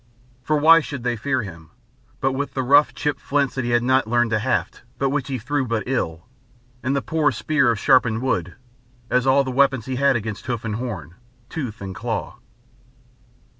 For why should they fear him, with but the rough, chipped flints that he had not learnt to haft and which he threw but ill, and the poor spear of sharpened wood, as all the weapons he had against hoof and horn, tooth and claw?